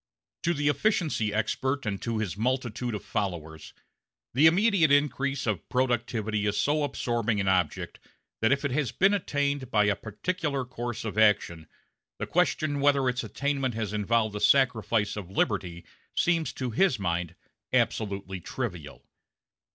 To the efficiency expert and to his multitude of followers, the immediate increase of productivity is so absorbing an object that if it has been attained by a particular course of action, the question whether its attainment has involved a sacrifice of liberty seems to his mind absolutely trivial.